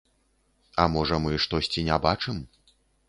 А можа мы штосьці не бачым?